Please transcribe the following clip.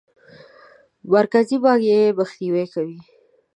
مرکزي بانک یې مخنیوی کوي.